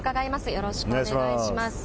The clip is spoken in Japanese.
よろしくお願いします。